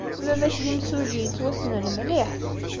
Baba-k d imsujji yettwassnen mliḥ.